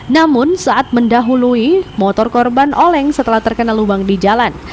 namun saat mendahului motor korban oleng setelah terkena lubang di jalan